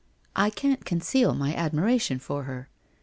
' I can't conceal my admiration of her.